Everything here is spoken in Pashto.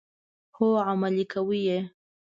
هو، عملي کوي یې.